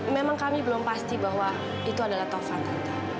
memang kami belum pasti bahwa itu adalah tovan tante